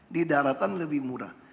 di daratan lebih murah